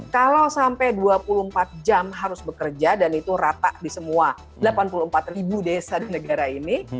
kalau sampai dua puluh empat jam harus bekerja dan itu rata di semua delapan puluh empat ribu desa di negara ini